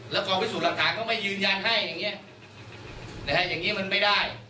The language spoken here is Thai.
แล้วก็ไปสู่หลักฐานเขามายืนยันให้อย่างเงี้ยนะฮะอย่างงี้มันไม่ได้